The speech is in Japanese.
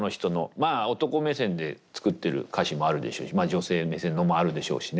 まあ男目線で作ってる歌詞もあるでしょうし女性目線のもあるでしょうしね。